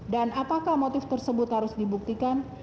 dan apakah motif tersebut harus dibuktikan